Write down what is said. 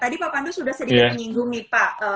tadi pak pandu sudah sedikit menyinggungi pak